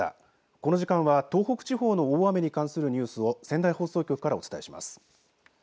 この時間は東北地方の大雨に関するニュースを仙台放送局からお伝えします。